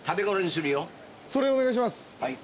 それお願いします。